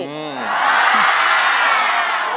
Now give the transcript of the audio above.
อืม